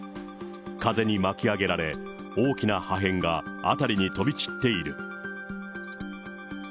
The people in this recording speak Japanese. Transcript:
風に巻き上げられ、大きな破片が辺りに飛び散っている。